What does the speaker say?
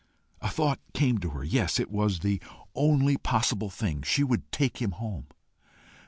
A thought came to her. Yes, it was the only possible thing. She would take him home.